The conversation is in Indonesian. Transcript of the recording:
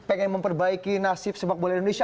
pengen memperbaiki nasib sepak bola indonesia